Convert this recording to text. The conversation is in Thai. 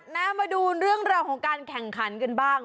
มาดูเรื่องราวของการแข่งขันกันบ้าง